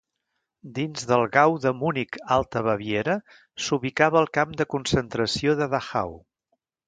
Dins del Gau de Munic-Alta Baviera s'ubicava el camp de concentració de Dachau.